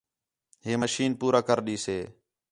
ہِے مشین پورا کر ݙیسے